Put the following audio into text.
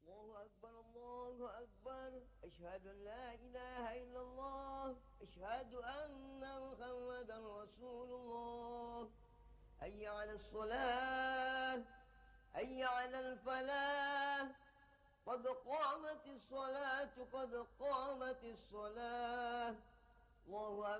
awek kamu besok bisa antar yang ke rumah sakit ya